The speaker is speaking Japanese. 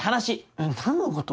えっ何のこと？